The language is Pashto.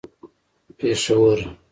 پېښور